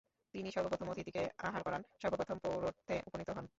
তিনিই সর্বপ্রথম অতিথিকে আহার করান, সর্বপ্রথম প্রৌঢ়ত্বে উপনীত হন।